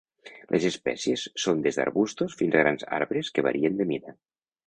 Les espècies són des d'arbustos fins a grans arbres que varien de mida.